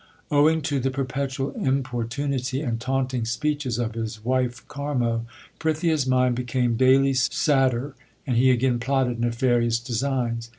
2 Owing to the perpetual importunity and taunting speeches of his wife Karmo, Prithia s mind became daily sadder, and he again plotted nefarious designs.